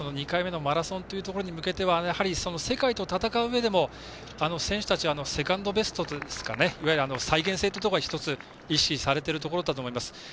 ２回目のマラソンというところに向けては世界と戦ううえでも、選手たちはセカンドベストいわゆる再現性というところが１つ、意識されているところだと思います。